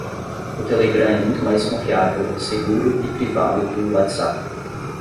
O Telegram é muito mais confiável, seguro e privado que o Whatsapp